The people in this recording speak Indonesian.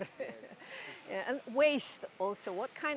dan juga peralatan